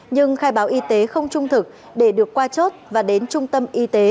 nhưng khai báo y tế không trung thực để được qua chốt và đến trung tâm y tế